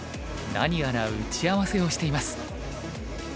何やら打ち合わせをしています。